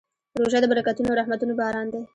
روژه د برکتونو او رحمتونو باران دی.